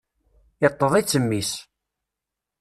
Iṭṭeḍ-itt mmi-s.